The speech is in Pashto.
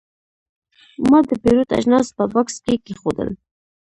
ما د پیرود اجناس په بکس کې کېښودل.